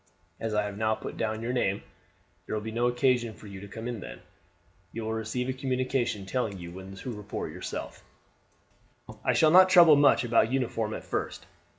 As I have now put down your name there will be no occasion for you to come in then. You will receive a communication telling you when to report yourself. "I shall not trouble much about uniform at first.